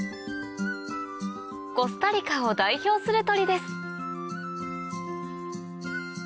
コスタリカを代表する鳥です